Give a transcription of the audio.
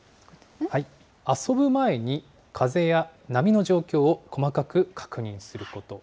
遊ぶ前に風や波の状況を細かく確認すること。